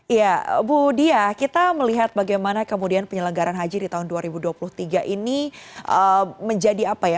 iya bu dia kita melihat bagaimana kemudian penyelenggaran haji di tahun dua ribu dua puluh tiga ini menjadi apa ya